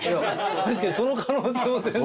確かにその可能性も全然。